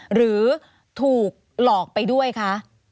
หรือถูกหลอกไปด้วยคะ